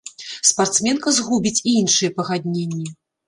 Спартсменка згубіць і іншыя пагадненні.